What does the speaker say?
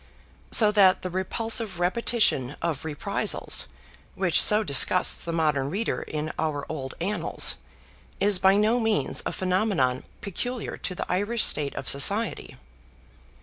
So that the repulsive repetition of reprisals, which so disgusts the modern reader in our old annals, is by no means a phenomenon peculiar to the Irish state of society.